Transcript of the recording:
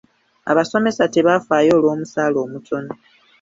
Abasomesa tebafaayo olw'omusala omutono.